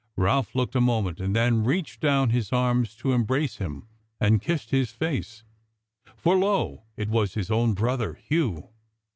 Ralph looked a moment, and then reached down his arms to embrace him, and kissed his face; for lo! it was his own brother Hugh.